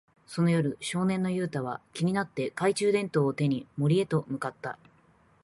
その夜、少年のユウタは気になって、懐中電灯を手に森へと向かった。